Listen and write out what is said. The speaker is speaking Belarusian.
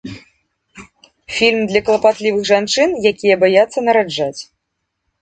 Фільм для клапатлівых жанчын, якія баяцца нараджаць.